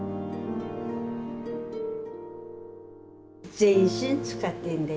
全身使ってんだよ